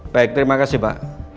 baik terima kasih pak